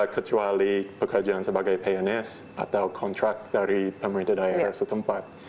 kecuali pekerjaan sebagai pns atau kontrak dari pemerintah daerah setempat